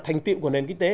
thành tiệm của nền kinh tế